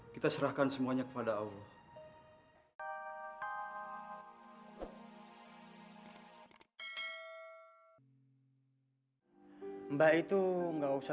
kita serahkan semuanya kepada allah